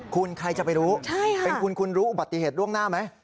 คุณใครจะไปรู้เป็นคุณคุณรู้อุบัติเหตุล่วงหน้าไหม